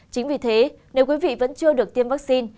chính vì thế nếu quý vị vẫn chưa được tiêm vaccine